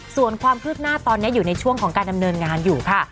ส่วนความคืบหน้าตอนนี้อยู่ในช่วงของการดำเนินงานอยู่ค่ะ